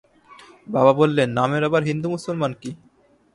বাবা বললেন, নামের আবার হিন্দু-মুসলমান কি?